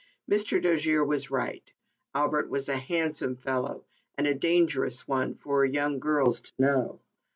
Mr. Dojere was right. Albert was a handsome fellow and a dangerous one for young girls to know.